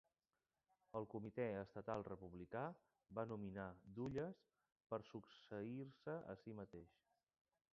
El comitè estatal republicà va nominar Dulles per succeir-se a si mateix.